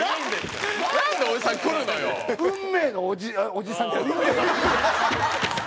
「運命のおじさん」？